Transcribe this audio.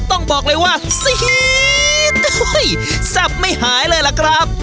ต้องบอกเลยว่าซี๊ดแซ่บไม่หายเลยล่ะครับ